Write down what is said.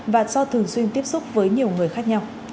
và do thường xuyên tiếp xúc với nhiều người khác nhau